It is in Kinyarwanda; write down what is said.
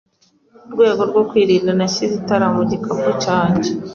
Mu rwego rwo kwirinda, nashyize itara mu gikapu cyanjye.